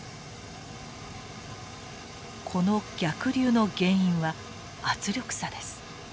この逆流の原因は圧力差です。